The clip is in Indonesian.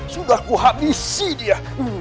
sudah aku habisi dia